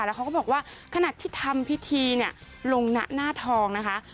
แล้วเขาก็บอกว่าขณะที่ทำพิธีเนี่ยลงหน้าทองนะคะ